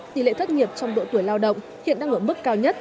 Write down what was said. tỷ lệ thất nghiệp trong độ tuổi lao động hiện đang ở mức cao nhất